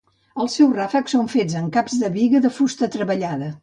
Els seus ràfecs són fets amb caps de biga de fusta treballada.